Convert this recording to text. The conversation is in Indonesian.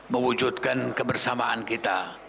mewujudkan kebersamaan kita